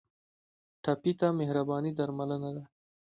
ټپي ته مهرباني درملنه ده.